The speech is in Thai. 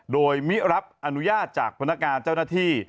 โดยมิรับอนุญาตจากพนักงานเจ้าหน้าที่